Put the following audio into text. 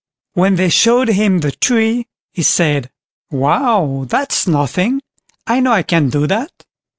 When they showed him the tree, he said, "Why, that's nothing, I know I can do that."